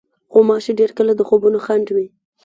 غوماشې ډېر کله د خوبونو خنډ وي.